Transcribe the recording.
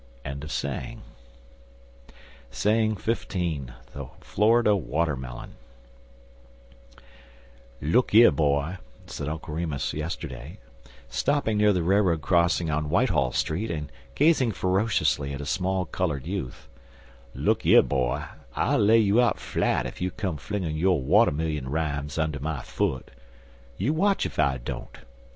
XV. THE FLORIDA WATERMELON "LOOK yer, boy," said Uncle Remus yesterday, Stopping near the railroad crossing on Whitehall Street, and gazing ferociously at a small colored youth; "look yer, boy, Ill lay you out flat ef you come flingin' yo' watermillion rimes under my foot you watch ef I don't.